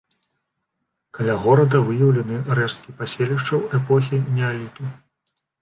Каля горада выяўлены рэшткі паселішчаў эпохі неаліту.